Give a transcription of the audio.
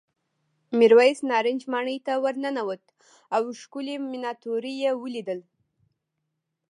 میرويس نارنج ماڼۍ ته ورننوت او ښکلې مېناتوري یې ولیدل.